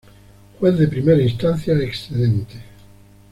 Juez de Primera Instancia excedente.